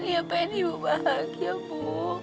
ini apaan ibu bahagia bu